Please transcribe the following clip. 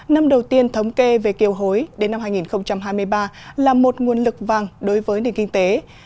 năm đầu tiên thống kê về kiều hối đến năm hai nghìn hai mươi ba là một nguồn lực vàng đối với nền kinh tế